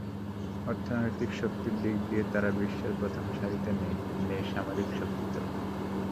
অর্থনৈতিক শক্তির দিক দিয়ে তারা বিশ্বের প্রথম সারিতে নেই, নেই সামরিক শক্তিতেও।